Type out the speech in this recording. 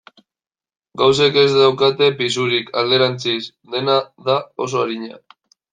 Gauzek ez daukate pisurik, alderantziz, dena da oso arina.